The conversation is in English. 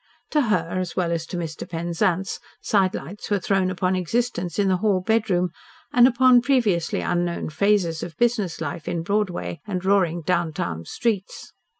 To her, as well as to Mr. Penzance, sidelights were thrown upon existence in the "hall bedroom" and upon previously unknown phases of business life in Broadway and roaring "downtown" streets.